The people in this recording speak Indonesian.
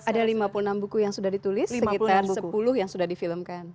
ada lima puluh enam buku yang sudah ditulis sekitar sepuluh yang sudah difilmkan